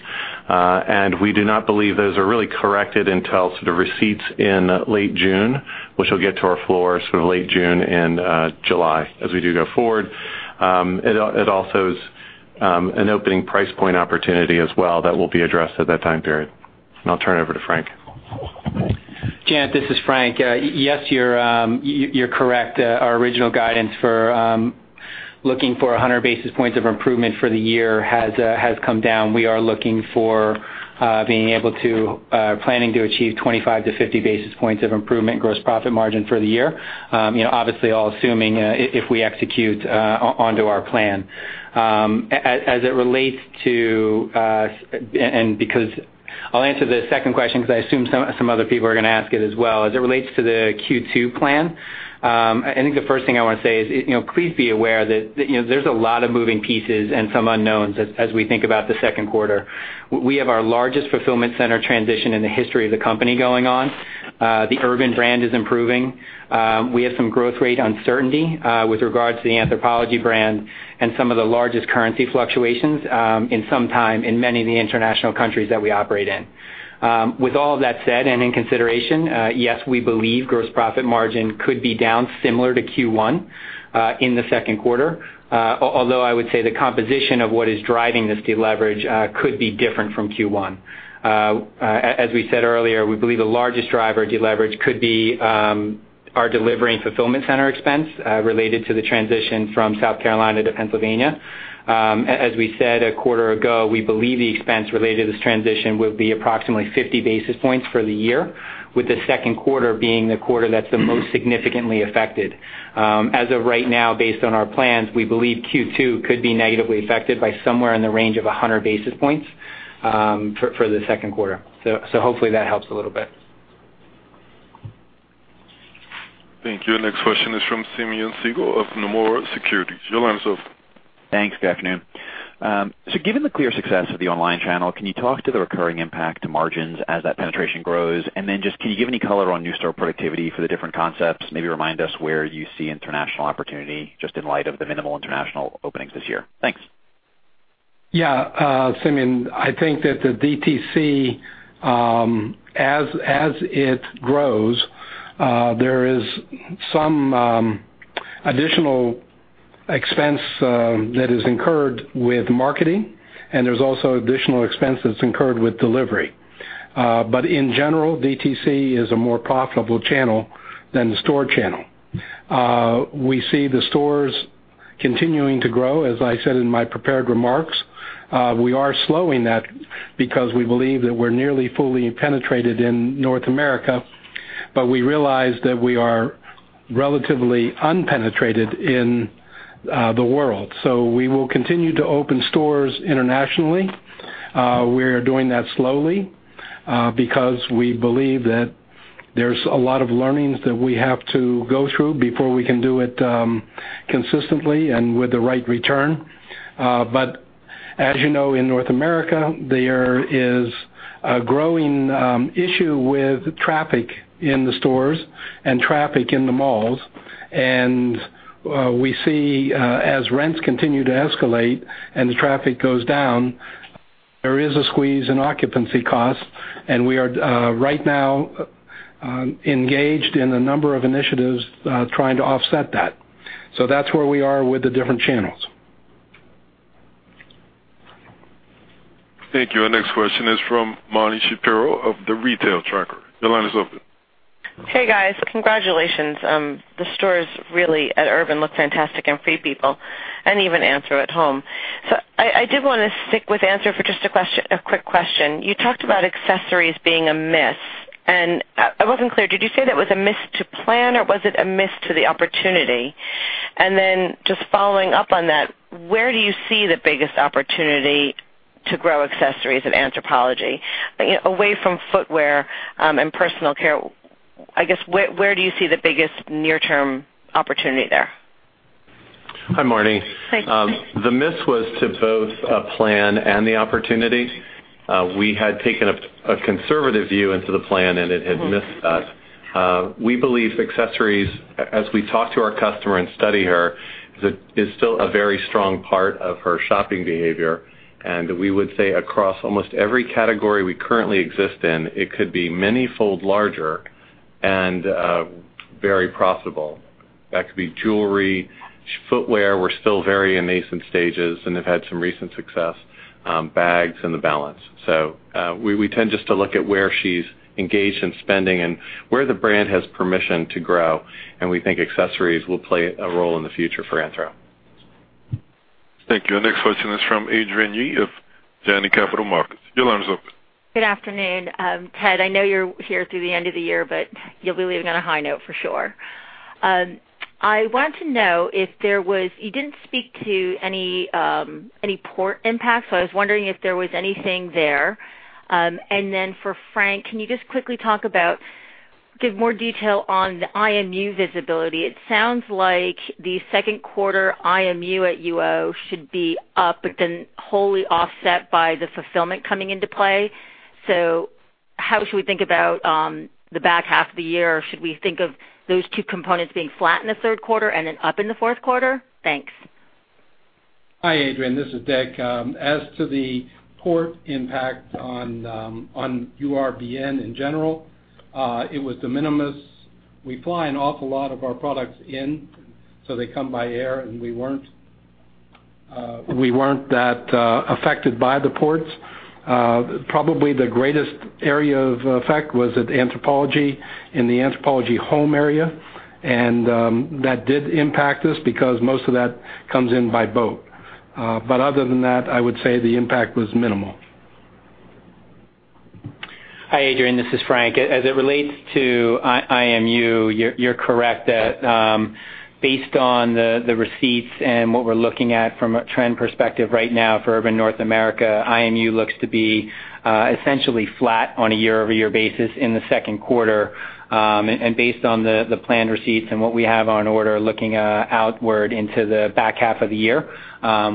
We do not believe those are really corrected until sort of receipts in late June, which will get to our floors sort of late June and July as we do go forward. It also is an opening price point opportunity as well that will be addressed at that time period. I'll turn it over to Frank. Jan, this is Frank. Yes, you're correct. Our original guidance for looking for 100 basis points of improvement for the year has come down. We are planning to achieve 25-50 basis points of improvement gross profit margin for the year. Obviously, all assuming if we execute onto our plan. I'll answer the second question because I assume some other people are going to ask it as well. As it relates to the Q2 plan, the first thing I want to say is please be aware that there's a lot of moving pieces and some unknowns as we think about the second quarter. We have our largest fulfillment center transition in the history of the company going on. The Urban brand is improving. We have some growth rate uncertainty with regards to the Anthropologie brand and some of the largest currency fluctuations in some time in many of the international countries that we operate in. With all of that said, and in consideration, yes, we believe gross profit margin could be down similar to Q1 in the second quarter. Although I would say the composition of what is driving this deleverage could be different from Q1. As we said earlier, we believe the largest driver of deleverage could be our delivery and fulfillment center expense related to the transition from South Carolina to Pennsylvania. As we said a quarter ago, we believe the expense related to this transition will be approximately 50 basis points for the year. With the second quarter being the quarter that's the most significantly affected. As of right now, based on our plans, we believe Q2 could be negatively affected by somewhere in the range of 100 basis points for the second quarter. Hopefully that helps a little bit. Thank you. Next question is from Simeon Siegel of Nomura Securities. Your line's open. Thanks. Good afternoon. Given the clear success of the online channel, can you talk to the recurring impact to margins as that penetration grows? Just, can you give any color on new store productivity for the different concepts? Maybe remind us where you see international opportunity, just in light of the minimal international openings this year. Thanks. Yeah. Simeon, I think that the DTC as it grows, there is some additional expense that is incurred with marketing, and there's also additional expenses incurred with delivery. In general, DTC is a more profitable channel than the store channel. We see the stores continuing to grow, as I said in my prepared remarks. We are slowing that because we believe that we're nearly fully penetrated in North America, but we realize that we are relatively unpenetrated in the world. We will continue to open stores internationally. We are doing that slowly because we believe that there's a lot of learnings that we have to go through before we can do it consistently and with the right return. As you know, in North America, there is a growing issue with traffic in the stores and traffic in the malls. We see as rents continue to escalate and the traffic goes down, there is a squeeze in occupancy costs, and we are right now engaged in a number of initiatives trying to offset that. That's where we are with the different channels. Thank you. Our next question is from Marni Shapiro of The Retail Tracker. Your line is open. Hey, guys. Congratulations. The stores really at Urban look fantastic and Free People, and even Anthropologie at Home. I did want to stick with Anthropologie for just a quick question. You talked about accessories being a miss, and I wasn't clear, did you say that was a miss to plan or was it a miss to the opportunity? Then just following up on that, where do you see the biggest opportunity to grow accessories at Anthropologie? Away from footwear and personal care, I guess, where do you see the biggest near-term opportunity there? Hi, Marni. Hi. The miss was to both a plan and the opportunity. We had taken a conservative view into the plan, and it had missed us. We believe accessories, as we talk to our customer and study her, is still a very strong part of her shopping behavior. We would say across almost every category we currently exist in, it could be many fold larger and very profitable. That could be jewelry. Footwear, we're still very in nascent stages and have had some recent success. Bags and the balance. We tend just to look at where she's engaged in spending and where the brand has permission to grow, and we think accessories will play a role in the future for Anthropologie. Thank you. Our next question is from Adrienne Yih of Janney Montgomery Scott. Your line's open. Good afternoon. Ted, I know you're here through the end of the year, you'll be leaving on a high note for sure. I want to know if you didn't speak to any port impact, so I was wondering if there was anything there. Then for Frank, can you just quickly talk about, give more detail on the IMU visibility? It sounds like the second quarter IMU at UO should be up, wholly offset by the fulfillment coming into play. How should we think about the back half of the year? Should we think of those two components being flat in the third quarter and then up in the fourth quarter? Thanks. Hi, Adrienne. This is Dick. As to the port impact on URBN in general, it was de minimis. We fly an awful lot of our products in, so they come by air, and we weren't that affected by the ports. Probably the greatest area of effect was at Anthropologie in the AnthroHome area, and that did impact us because most of that comes in by boat. Other than that, I would say the impact was minimal. Hi, Adrienne, this is Frank. As it relates to IMU, you're correct that based on the receipts and what we're looking at from a trend perspective right now for Urban North America, IMU looks to be essentially flat on a year-over-year basis in the second quarter. Based on the planned receipts and what we have on order looking outward into the back half of the year,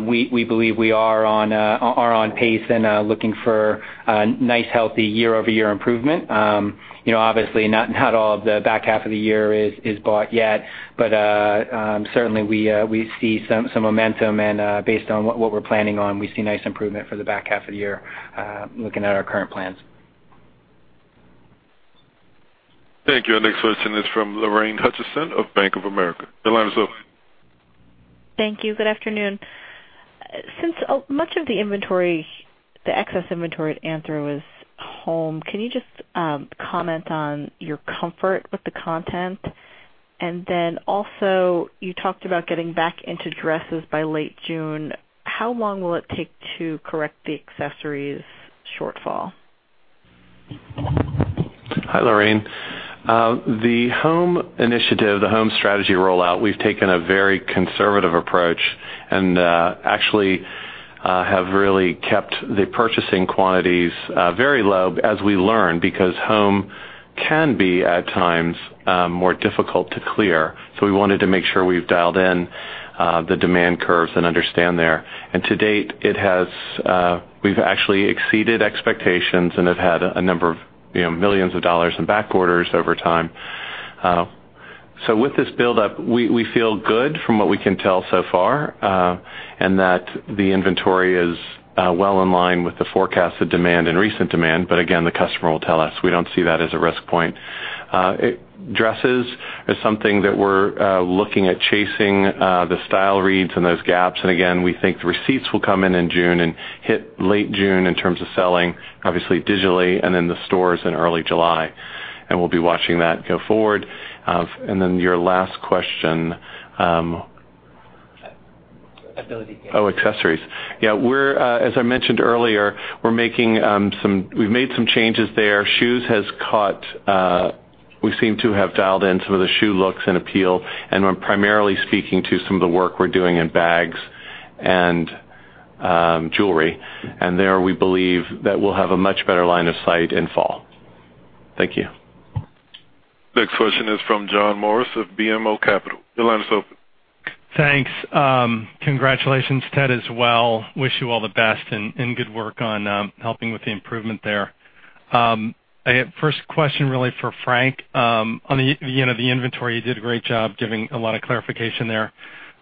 we believe we are on pace and looking for a nice, healthy year-over-year improvement. Obviously, not all of the back half of the year is bought yet, but certainly we see some momentum and based on what we're planning on, we see nice improvement for the back half of the year looking at our current plans. Thank you. Our next question is from Lorraine Hutchinson of Bank of America. Your line is open. Thank you. Good afternoon. Since much of the excess inventory at Anthropologie is home, can you just comment on your comfort with the content? Then also, you talked about getting back into dresses by late June. How long will it take to correct the accessories shortfall? Hi, Lorraine. The home initiative, the home strategy rollout, we've taken a very conservative approach and actually have really kept the purchasing quantities very low as we learn because home can be, at times, more difficult to clear. We wanted to make sure we've dialed in the demand curves and understand there. To date, we've actually exceeded expectations and have had millions of dollars in back orders over time. With this buildup, we feel good from what we can tell so far, and that the inventory is well in line with the forecasted demand and recent demand, again, the customer will tell us. We don't see that as a risk point. Dresses is something that we're looking at chasing the style reads and those gaps. Again, we think the receipts will come in in June and hit late June in terms of selling, obviously digitally, then the stores in early July. We'll be watching that go forward. Then your last question. Ability to- Oh, accessories. Yeah. As I mentioned earlier, we've made some changes there. Shoes has caught. We seem to have dialed in some of the shoe looks and appeal, and we're primarily speaking to some of the work we're doing in bags and jewelry. There, we believe that we'll have a much better line of sight in fall. Thank you. Next question is from John Morris of BMO Capital. Your line is open. Thanks. Congratulations, Ted, as well. Wish you all the best and good work on helping with the improvement there. I have first question, really for Frank. On the inventory, you did a great job giving a lot of clarification there.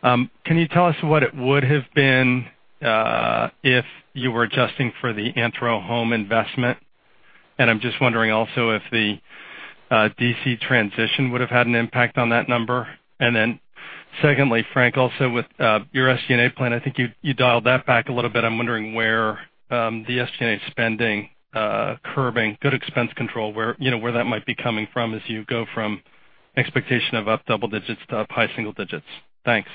Can you tell us what it would have been if you were adjusting for the Anthropologie home investment? I'm just wondering also if the DC transition would have had an impact on that number. Secondly, Frank, also with your SG&A plan, I think you dialed that back a little bit. I'm wondering where the SG&A spending curbing, good expense control, where that might be coming from as you go from expectation of up double digits to up high single digits. Thanks.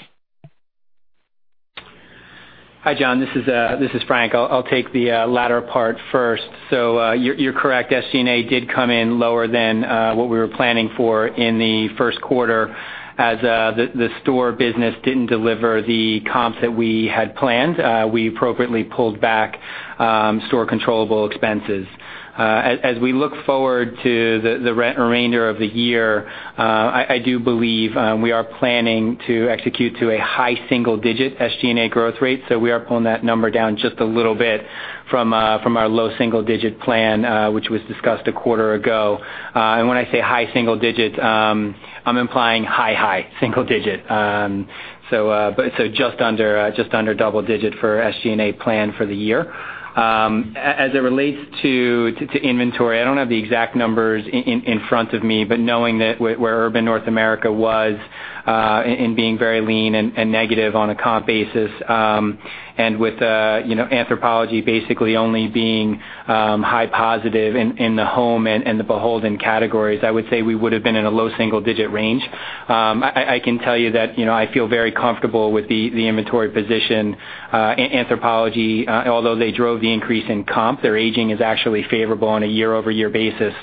Hi, John. This is Frank. I'll take the latter part first. You're correct. SG&A did come in lower than what we were planning for in the first quarter. As the store business didn't deliver the comps that we had planned, we appropriately pulled back store controllable expenses. As we look forward to the remainder of the year, I do believe we are planning to execute to a high single-digit SG&A growth rate. We are pulling that number down just a little bit from our low double-digit plan which was discussed a quarter ago. When I say high single digit, I'm implying high, high single digit. Just under double digit for SG&A plan for the year. As it relates to inventory, I don't have the exact numbers in front of me, but knowing that where Urban North America was in being very lean and negative on a comp basis, and with Anthropologie basically only being high positive in the home and the BHLDN categories, I would say we would've been in a low single-digit range. I can tell you that I feel very comfortable with the inventory position. Anthropologie, although they drove the increase in comp, their aging is actually favorable on a year-over-year basis.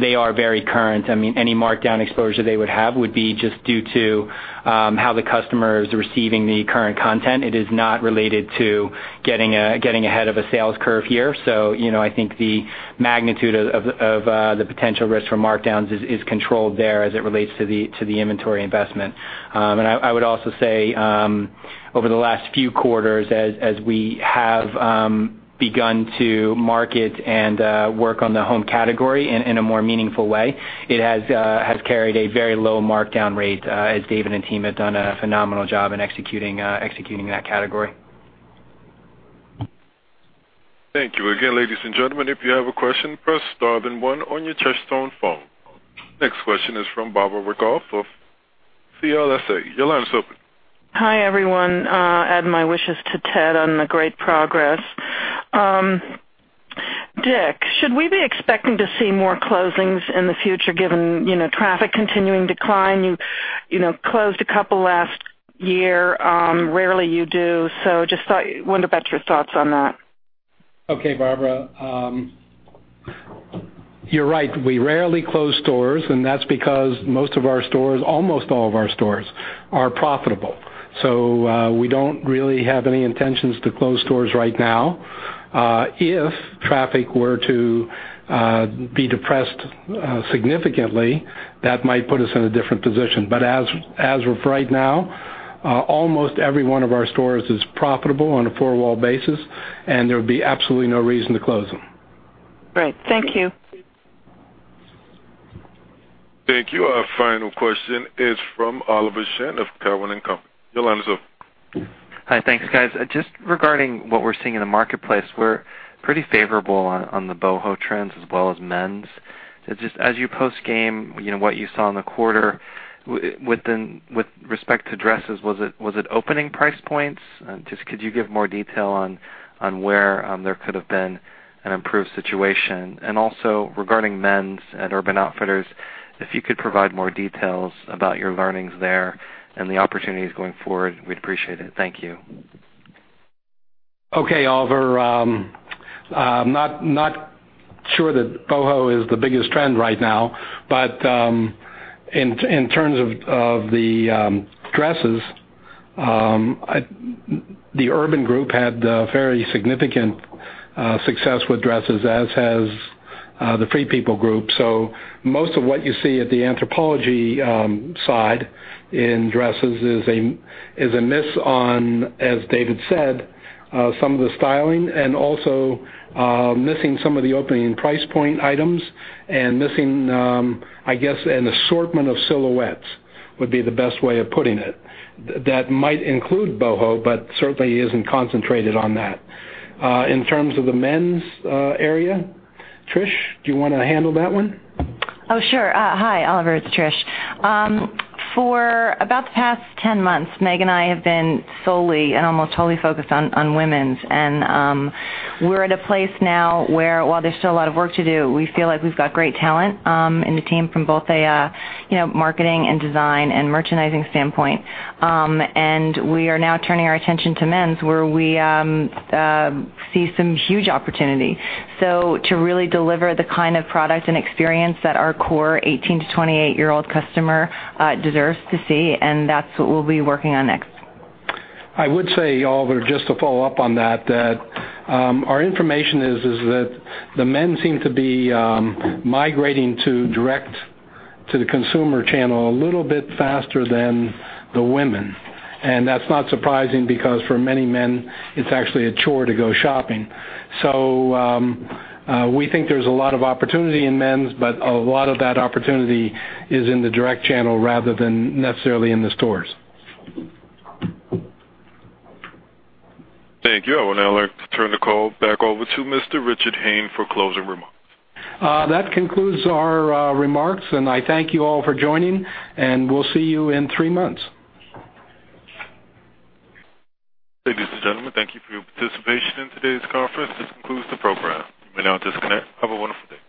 They are very current. Any markdown exposure they would have would be just due to how the customer is receiving the current content. It is not related to getting ahead of a sales curve here. I think the magnitude of the potential risk for markdowns is controlled there as it relates to the inventory investment. I would also say over the last few quarters, as we have begun to market and work on the home category in a more meaningful way, it has carried a very low markdown rate as David and team have done a phenomenal job in executing that category. Thank you. Again, ladies and gentlemen, if you have a question, press star then one on your touchtone phone. Next question is from Barbara Wyckoff of CLSA. Your line is open. Hi, everyone. Add my wishes to Ted on the great progress. Dick, should we be expecting to see more closings in the future given traffic continuing decline? You closed a couple last year. Rarely you do. Just wondered about your thoughts on that. Okay, Barbara. You're right, we rarely close stores, that's because most of our stores, almost all of our stores are profitable. We don't really have any intentions to close stores right now. If traffic were to be depressed significantly, that might put us in a different position. As of right now, almost every one of our stores is profitable on a four-wall basis, and there would be absolutely no reason to close them. Great. Thank you. Thank you. Our final question is from Oliver Chen of Cowen and Company. Your line is open. Hi. Thanks, guys. Just regarding what we're seeing in the marketplace, we're pretty favorable on the boho trends as well as men's. Just as you post game, what you saw in the quarter with respect to dresses, was it opening price points? Just could you give more detail on where there could have been an improved situation? And also regarding men's at Urban Outfitters, if you could provide more details about your learnings there and the opportunities going forward, we'd appreciate it. Thank you. Okay, Oliver. I'm not sure that boho is the biggest trend right now. In terms of the dresses, the Urban group had a very significant success with dresses, as has the Free People group. Most of what you see at the Anthropologie side in dresses is a miss on, as David said, some of the styling and also missing some of the opening price point items and missing an assortment of silhouettes, would be the best way of putting it. That might include boho, but certainly isn't concentrated on that. In terms of the men's area, Trish, do you want to handle that one? Oh, sure. Hi, Oliver. It's Trish. For about the past 10 months, Meg and I have been solely and almost totally focused on women's. We're at a place now where while there's still a lot of work to do, we feel like we've got great talent in the team from both a marketing and design and merchandising standpoint. We are now turning our attention to men's, where we see some huge opportunity. To really deliver the kind of product and experience that our core 18 to 28-year-old customer deserves to see, and that's what we'll be working on next. I would say, Oliver, just to follow up on that our information is that the men seem to be migrating to direct to the consumer channel a little bit faster than the women. That's not surprising because for many men, it's actually a chore to go shopping. We think there's a lot of opportunity in men's, but a lot of that opportunity is in the direct channel rather than necessarily in the stores. Thank you. I would now like to turn the call back over to Mr. Richard Hayne for closing remarks. That concludes our remarks, and I thank you all for joining, and we'll see you in three months. Ladies and gentlemen, thank you for your participation in today's conference. This concludes the program. You may now disconnect. Have a wonderful day.